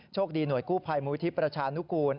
คดีหน่วยกู้ภัยมูลิธิประชานุกูล